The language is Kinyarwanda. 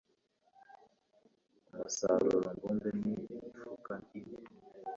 umusaruro mbumbe ni imifuka ine